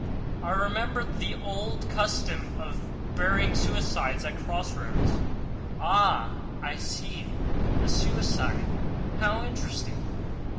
I remembered the old custom of burying suicides at cross roads: "Ah! I see, a suicide. How interesting!"